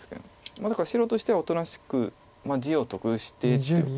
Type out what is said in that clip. だから白としてはおとなしく地を得してっていう。